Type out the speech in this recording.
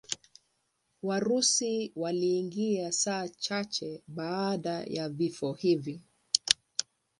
Warusi waliingia saa chache baada ya vifo hivi.